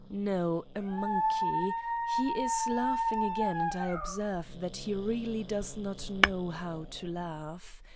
No, a monkey ! He is laughing again and I ob serve that he really does not know how to laugh.